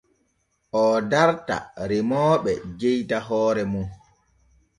Oo darta remooɓe jewta hoore mum.